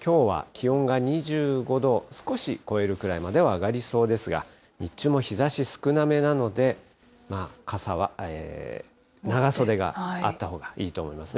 きょうは気温が２５度、少し超えるくらいまでは上がりそうですが、日中も日ざし少なめなので、まあ、傘は、長袖があったほうがいいと思いますね。